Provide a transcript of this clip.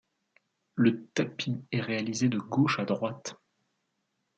Le tapis est réalisé de gauche à droite.